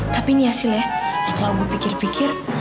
tapi nih ya sil ya setelah gue pikir pikir